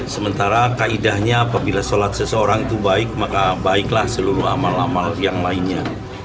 sementara kaidahnya apabila sholat seseorang itu baik maka baiklah seluruh amal amal yang lainnya